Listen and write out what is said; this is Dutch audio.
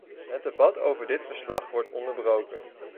Het debat over dit verslag wordt onderbroken.